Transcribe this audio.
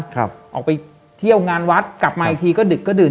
ออกไปเที่ยวงานวัดกลับมาอีกทีก็ดึกก็ดื่น